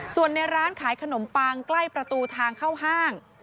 ส่วนในร้านขายขนมปังใกล้ประตูทางเข้าห้าง